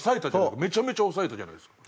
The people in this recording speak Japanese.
めちゃめちゃ抑えたじゃないですか。